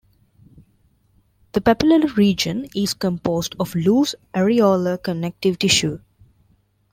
The papillary region is composed of loose areolar connective tissue.